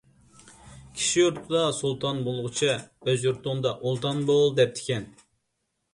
«كىشى يۇرتىدا سۇلتان بولغۇچە، ئۆز يۇرتۇڭدا ئۇلتان بول» دەپتىكەن.